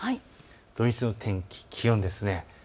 土日の天気、気温です。